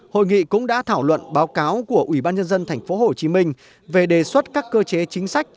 hội nghị cũng đã thảo luận báo cáo của ủy ban nhân dân tp hcm về đề xuất các cơ chế chính sách